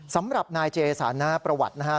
สำหรับนายเจสันนะประวัตินะฮะ